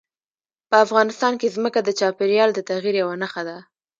په افغانستان کې ځمکه د چاپېریال د تغیر یوه نښه ده.